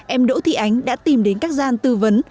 em đỗ thị ánh đã tìm đến các gian tư vấn